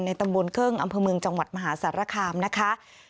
ในตำบลเครื่องอำเภอเมืองจังหวัดมหาศาสตร์ระคามนะคะ